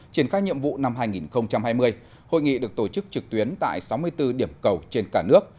triển khai nhiệm vụ năm hai nghìn hai mươi hội nghị được tổ chức trực tuyến tại sáu mươi bốn điểm cầu trên cả nước